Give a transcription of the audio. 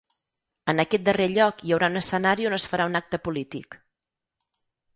En aquest darrer lloc hi haurà un escenari on es farà un acte polític.